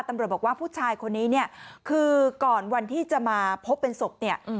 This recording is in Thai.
ตำรวจบอกว่าผู้ชายคนนี้เนี่ยคือก่อนวันที่จะมาพบเป็นศพเนี่ย